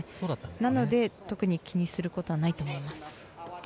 なので、特に気にすることはないと思います。